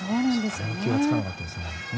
気が付かなかったですね。